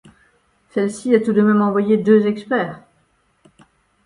Celle-ci a tout de même envoyé deux experts.